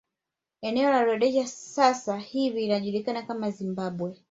Eneo la Rhodesia sasa hivi ikijulikana kama Zimbabwe